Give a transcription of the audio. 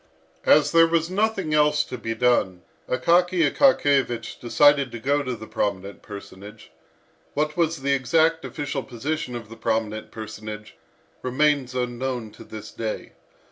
As there was nothing else to be done, Akaky Akakiyevich decided to go to the prominent personage. What was the exact official position of the prominent personage, remains unknown to this day.